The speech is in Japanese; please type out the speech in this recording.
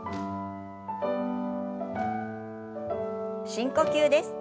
深呼吸です。